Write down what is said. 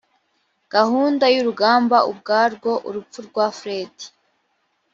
gahunda y urugamba ubwarwo urupfu rwa fred